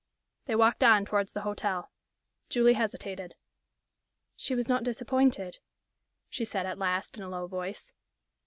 They walked on towards the hotel. Julie hesitated. "She was not disappointed?" she said, at last, in a low voice.